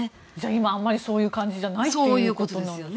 今、あまりそういう感じじゃないということなんですね。